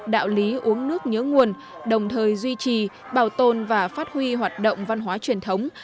đạo lý uống nước nhớ nguồn đồng thời duy trì bảo tồn và phát huy hoạt động văn hóa truyền thống